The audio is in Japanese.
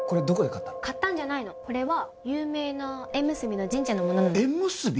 買ったんじゃないのこれは有名な縁結びの神社のものなの縁結び？